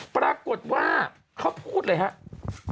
ปรากฏว่าเขาพูดเลยครับ